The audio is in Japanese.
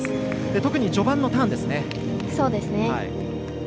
特に序盤のターンですね。